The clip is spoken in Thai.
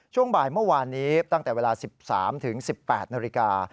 ช่วงบ่ายเมื่อวานนี้ตั้งแต่เวลา๑๓๑๘นาฬิกา